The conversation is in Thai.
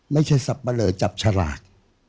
ไม่ใช่สับปะเหลอจับฉลาก